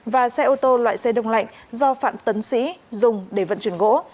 và xe ô tô loại xe đông lạnh do phạm tấn sĩ dùng để vận chuyển gỗ